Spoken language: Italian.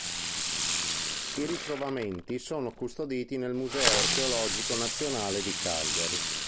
I ritrovamenti sono custoditi nel Museo archeologico nazionale di Cagliari.